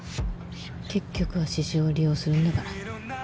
結局は獅子雄を利用するんだから。